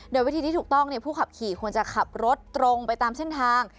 โดยวิธีที่ถูกต้องผู้ขับขี่ควรจะขับรถตรงไปตามเส้นทาง